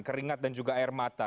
keringat dan juga air mata